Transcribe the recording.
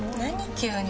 急に。